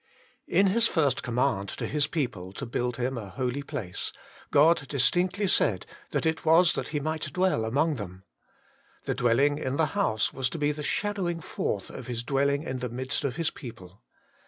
In His first command to His people to build Him a holy place, God distinctly said that it was that He might dwell among them : the dwelling in the house was to be the shadowing forth of His dwelling in the midst of His people.